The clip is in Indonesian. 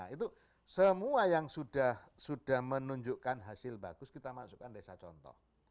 itu semua yang sudah menunjukkan hasil bagus kita masukkan desa contoh